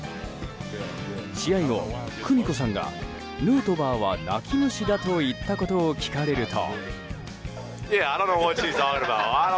試合後、久美子さんがヌートバーは泣き虫だと言ったことを聞かれると。